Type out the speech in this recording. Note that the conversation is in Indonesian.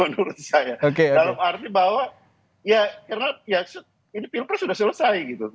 dalam arti bahwa ya karena pilpres sudah selesai gitu